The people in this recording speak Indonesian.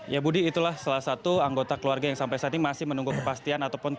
ya budi itulah salah satu anggota keluarga yang sampai saat ini masih menunggu kepastian